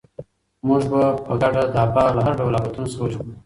موږ به په ګډه دا باغ له هر ډول آفتونو څخه وژغورو.